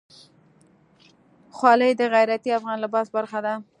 خولۍ د غیرتي افغان لباس برخه ده.